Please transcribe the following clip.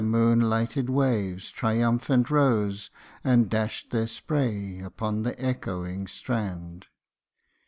moon lighted waves triumphant rose, And dashed their spray upon the echoing strand.